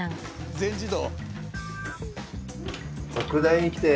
全自動。